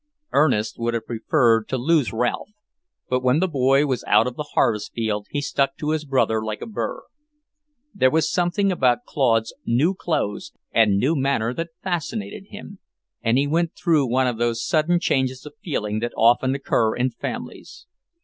Ernest would have preferred to lose Ralph, but when the boy was out of the harvest field he stuck to his brother like a burr. There was something about Claude's new clothes and new manner that fascinated him, and he went through one of those sudden changes of feeling that often occur in families.